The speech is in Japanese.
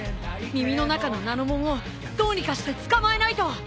耳の中のナノモンをどうにかして捕まえないと！